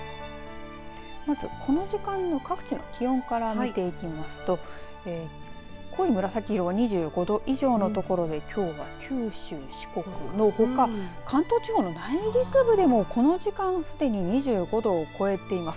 まずこの時間の各地の気温から見ていきますと濃い紫色が２５度以上の所できょうは九州、四国のほか関東地方の内陸部でもこの時間すでに２５度を超えています。